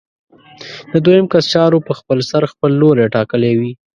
د دویم کس چارو په خپلسر خپل لوری ټاکلی وي.